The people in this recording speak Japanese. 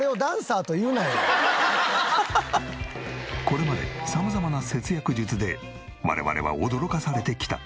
これまで様々な節約術で我々は驚かされてきた。